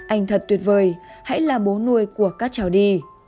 anh thật tuyệt vời hãy là bố nuôi của các cháu đi